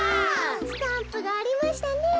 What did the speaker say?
スタンプがありましたねえ。